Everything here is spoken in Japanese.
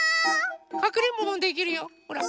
かくれんぼもできるよほら。